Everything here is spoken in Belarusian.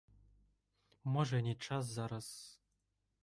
Можа, і не час зараз.